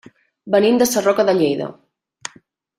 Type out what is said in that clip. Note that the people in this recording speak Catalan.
Venim de Sarroca de Lleida.